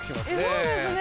そうですね